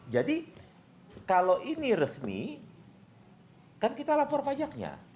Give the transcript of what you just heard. jadi kalau ini resmi kan kita lapor pajaknya